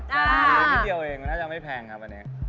เดี๋ยวเองน่าจะไม่แพงครับอันนี้